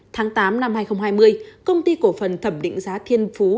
tháng tám năm hai nghìn hai mươi công ty cổ phần thẩm định giá thiên phú